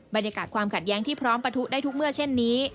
บรรยากาศความขัดแย้งที่พร้อมปะทุได้ทุกเมื่อเช่นนี้